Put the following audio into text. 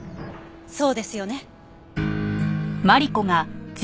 そうですよね？